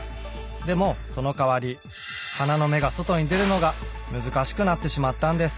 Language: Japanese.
でもその代わり花の芽が外に出るのが難しくなってしまったんです。